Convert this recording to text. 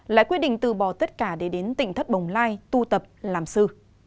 lại quyết định từ bỏ tất cả để đến tỉnh thất bồng lai tu tập làm sư